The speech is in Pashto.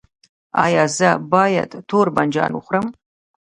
ایا زه باید تور بانجان وخورم؟